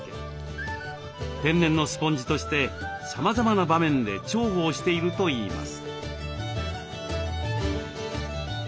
天然のスポンジとしてさまざまな場面で重宝しているといいます。